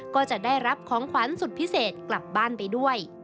ก็จะได้รับของขวัญสุดพิเศษกลับบ้านไปด้วย